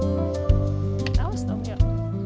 nah ini lah paling yak